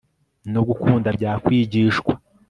no gukunda byakwigishwa